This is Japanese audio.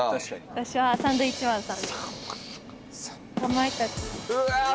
私はサンドウィッチマンさんです。